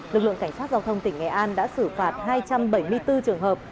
lực lượng cảnh sát giao thông tỉnh nghệ an đã xử phạt hai trăm bảy mươi bốn trường hợp